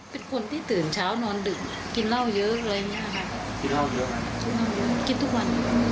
เป็นคนที่ตื่นเช้านอนดื่มกินเล่าเยอะเลยกินทุกวัน